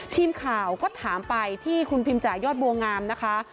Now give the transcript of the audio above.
ทีมข่าวก็ถามไปที่คุณพิมจ่ายอดบัวงามนะคะ